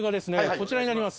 こちらになります。